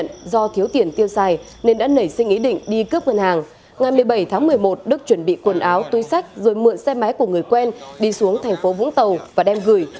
ngày một mươi bảy tháng một mươi một đức chuẩn bị quần áo túi sách rồi mượn xe máy của người quen đi xuống thành phố vũng tàu và đem gửi